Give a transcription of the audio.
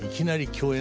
共演？